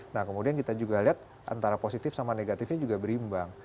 nah kemudian kita juga lihat antara positif sama negatifnya juga berimbang